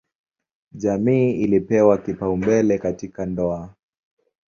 Jamii ilipewa kipaumbele katika ndoa.